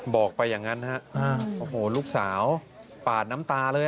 บอกไปอย่างนั้นลูกสาวปาดน้ำตาเลย